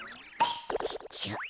ちっちゃ。